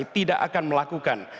tidak akan melakukan